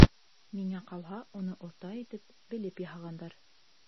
Миңә ҡалһа, уны оҫта итеп, белеп яһағандар.